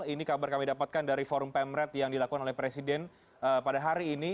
ini kabar kami dapatkan dari forum pemret yang dilakukan oleh presiden pada hari ini